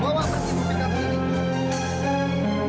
bawa pergi mobil mobil ini